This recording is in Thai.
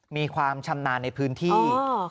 มีความชำนาญในพื้นที่